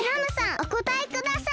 おこたえください！